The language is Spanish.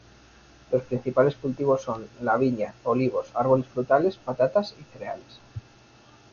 Los principales cultivos son la viña, olivos, árboles frutales, patatas y cereales.